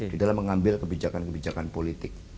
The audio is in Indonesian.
di dalam mengambil kebijakan kebijakan politik